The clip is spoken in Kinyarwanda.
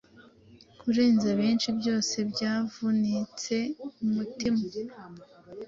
Kurenza benshi Byose byavunitse umutima,